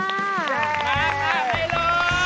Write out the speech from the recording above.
มาค่ะไมโล